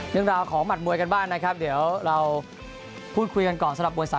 นึกลาของหมาดบัญการบ้านนะครับเดี๋ยวเราพูดคุยกันก่อนสำหรับบวริสาท